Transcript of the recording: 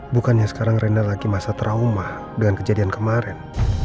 bukannya sekarang renda lagi masa trauma dengan kejadian kemarin